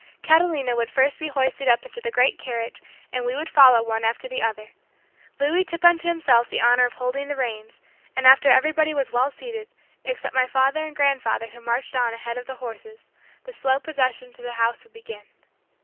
Catalina would first be hoisted up into the great carriage and we would follow one after the other. Louis took unto himself the honor of holding the reins, and after everybody was well seated, except my father and grandfather who marched on ahead of the horses, the slow procession to the house would begin.